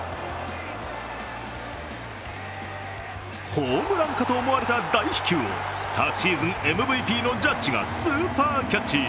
ホームランかと思われた大飛球を昨シーズンＭＶＰのジャッジがスーパーキャッチ。